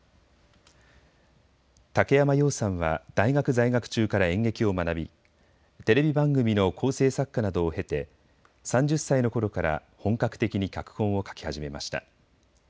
竹山洋さんは大学在学中から演劇を学びテレビ番組の構成作家などを経て３０歳のころから本格的に脚本を書き始めました。